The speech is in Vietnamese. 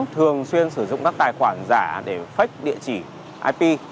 thường xuyên sử dụng các tài khoản giả để phách địa chỉ ip